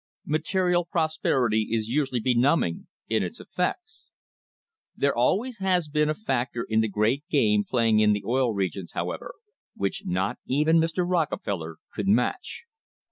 Material prosperity is usually benumbing in its effects. There always has been a factor in the great game playing in the Oil Regions, how ever, which not even Mr. Rockefeller could match.